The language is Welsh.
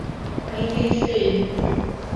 Mae hi'n ddydd Llun.